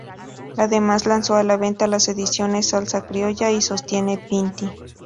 Además, lanzó a la venta las ediciones "Salsa criolla" y "Sostiene Pinti".